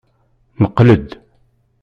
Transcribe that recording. Neqqel-d.